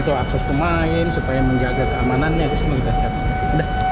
atau akses pemain supaya menjaga keamanannya itu semua kita siapkan